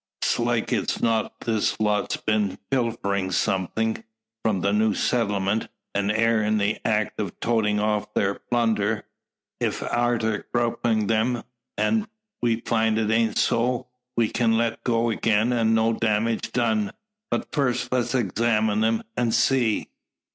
'S like 's not this lot's been a pilferin' somethin' from the new settlement, and air in the act o' toatin' off thar plunder. Ef arter gruppin' 'em, we find it aint so, we kin let go again, an' no dammidge done. But first, let's examine 'em, an' see."